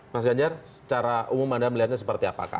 mas ganjar secara umum anda melihatnya seperti apakah